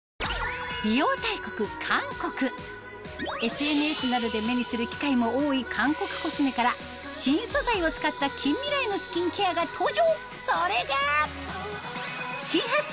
ＳＮＳなどで目にする機会も多い韓国コスメから新素材を使った近未来のスキンケアが登場！